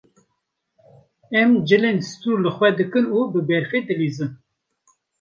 Em cilên stûr li xwe dikin û bi berfê dilîzin.